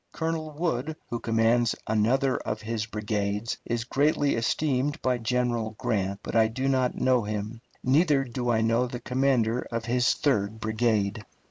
Colonel Wood, who commands another of his brigades, is greatly esteemed by General Grant, but I do not know him; neither do I know the commander of his third brigade.